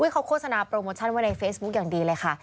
เขาโฆษณาโปรโมชั่นไว้ในเฟซบุ๊คอย่างดีเลยค่ะ